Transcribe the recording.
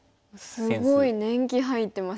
すごい年季入ってますね。